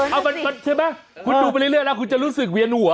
เอามันใช่ไหมคุณดูไปเรื่อยแล้วคุณจะรู้สึกเวียนหัว